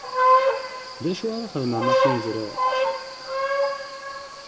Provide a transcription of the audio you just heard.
D acu ara xedmeɣ ma ffunezreɣ?